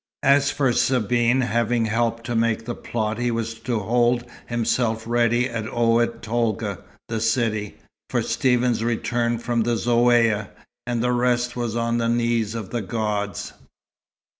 As for Sabine, having helped to make the plot he was to hold himself ready at Oued Tolga, the city, for Stephen's return from the Zaouïa. And the rest was on the knees of the gods.